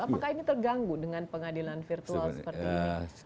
apakah ini terganggu dengan pengadilan virtual seperti ini